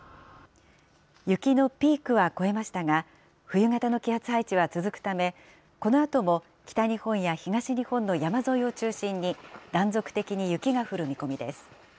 雪のピークは越えましたが、冬型の気圧配置は続くため、このあとも北日本や東日本の山沿いを中心に断続的に雪が降る見込みです。